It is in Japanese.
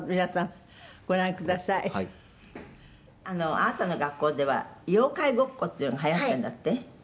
「あなたの学校では妖怪ごっこっていうのがはやってるんだって？